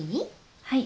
はい。